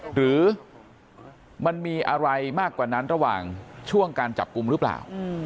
หรือมันมีอะไรมากกว่านั้นระหว่างช่วงการจับกลุ่มหรือเปล่า